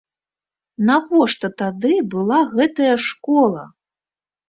Навошта тады была гэтая школа?